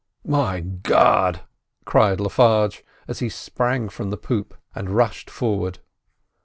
"My God!" cried Le Farge, as he sprang from the poop and rushed forward.